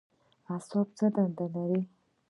اعصاب څه دنده لري؟